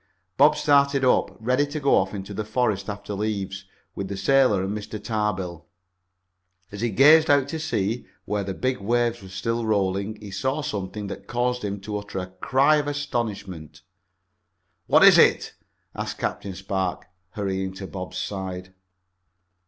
Bob started up, ready to go off into the forest after leaves, with the sailor and Mr. Tarbill. As he gazed out to sea, where the big waves were still rolling, he saw something that caused him to utter a cry of astonishment. "What is it?" asked Captain Spark, hurrying to Bob's side.